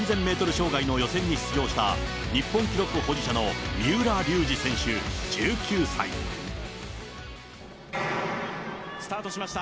障害の予選に出場した日本記録保持者の三浦スタートしました。